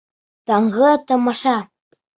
Таңғы тамаша